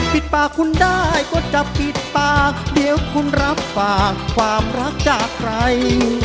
ปิดปากคุณได้ก็จะปิดปากเดี๋ยวคุณรับฝากความรักจากใคร